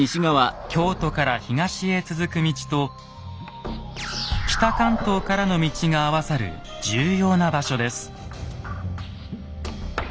京都から東へ続く道と北関東からの道が合わさる重要な場所です。